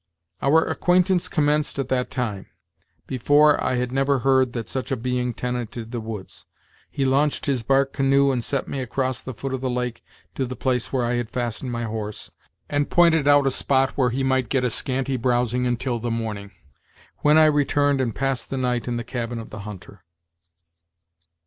Our acquaintance commenced at that time; before, I had never heard that such a being tenanted the woods. He launched his bark canoe and set me across the foot of the lake to the place where I had fastened my horse, and pointed out a spot where he might get a scanty browsing until the morning; when I returned and passed the night in the cabin of the hunter."